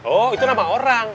oh itu nama orang